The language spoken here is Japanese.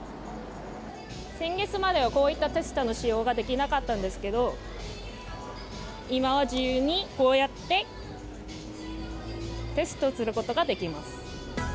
先月まで、こういったテスターの使用ができなかったんですけど、今は自由にこうやって、テストすることができます。